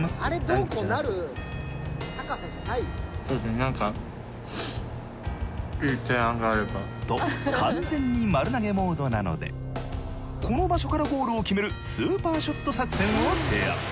そうですねなんかと完全に丸投げモードなのでこの場所からゴールを決めるスーパーショット作戦を提案。